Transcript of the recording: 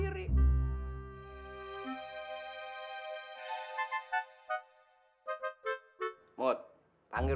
siapkan tangan siapkan tangan